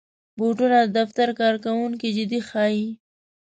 بوټونه د دفتر کارکوونکي جدي ښيي.